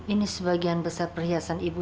ini sebagian besar perhiasan ibu